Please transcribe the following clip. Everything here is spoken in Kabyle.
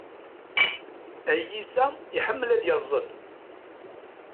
Ayyis-a iḥemmel ad yazzel.